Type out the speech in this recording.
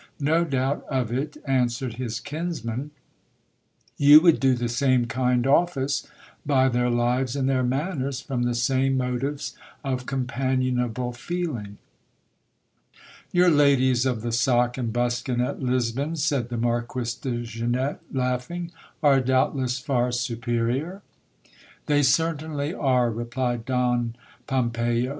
No doubt of it, answered his kinsman, you would do the same kind office by their lives and their manners, from the same motives of companionable feeling. Your ladies of the sock and buskin at Lisbon, said the Marquis de Zenette, laughing, are doubtless far superior ? They certainly are, replied Don Pompeyo.